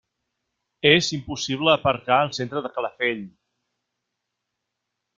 És impossible aparcar al centre de Calafell.